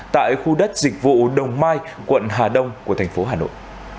tại khu đất dịch vụ đồng mai quận hà đông của thành phố hà nội